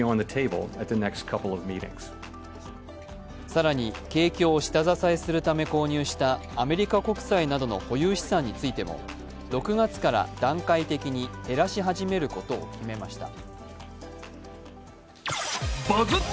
更に、景気を下支えするため購入したアメリカ国債などの保有資産についても６月から段階的に減らし始めることを決めました。